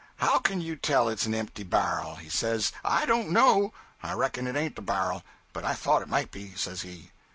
How can you tell it's an empty bar'l?" He says '"I don't know; I reckon it ain't a bar'l, but I thought it might be," says he.